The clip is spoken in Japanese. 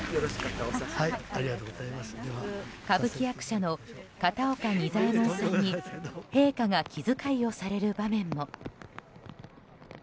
歌舞伎役者の片岡仁左衛門さんに陛下が気遣いをされる場面も。